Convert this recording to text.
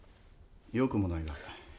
よくもないが。